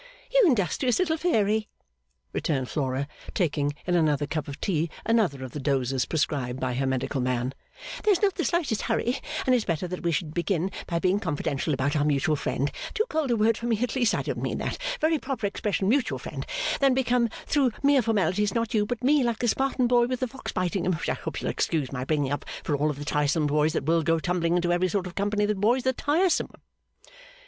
'You industrious little fairy,' returned Flora, taking, in another cup of tea, another of the doses prescribed by her medical man, 'there's not the slightest hurry and it's better that we should begin by being confidential about our mutual friend too cold a word for me at least I don't mean that, very proper expression mutual friend than become through mere formalities not you but me like the Spartan boy with the fox biting him, which I hope you'll excuse my bringing up for of all the tiresome boys that will go tumbling into every sort of company that boy's the tiresomest.